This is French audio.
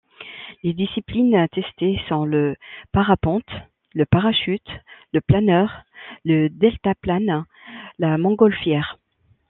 Les disciplines testées sont: le parapente, le parachute, le planeur, le deltaplane, la montgolfière...